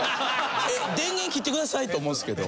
えっ電源切ってくださいって思うんですけど。